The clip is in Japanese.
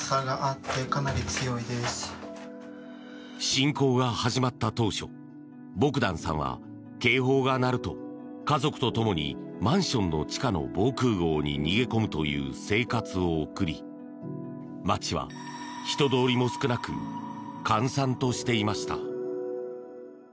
侵攻が始まった当初ボグダンさんは警報が鳴ると、家族と共にマンションの地下の防空壕に逃げ込むという生活を送り街は人通りも少なく閑散としていました。